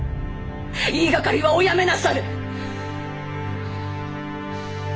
言いがかりはおやめなされ！